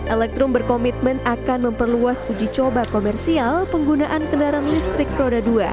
elektrum berkomitmen akan memperluas uji coba komersial penggunaan kendaraan listrik roda dua